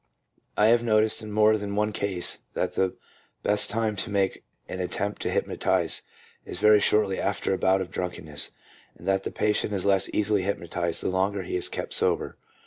" I have noticed in more than one case that the best time to make an attempt (to hypnotize) is very shortly after a bout of drunkenness, and that the patient is less easily hypnotized the longer he is kept sober."